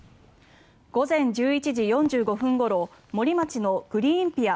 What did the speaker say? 午前１１時４５分ごろ森町のグリーンピア